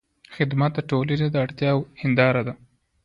خدمت د ټولنې د اړتیاوو هنداره ده.